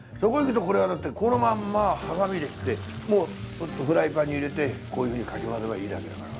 これはだってこのまんまハサミで切ってフライパンに入れてこういうふうにかき混ぜればいいだけだから。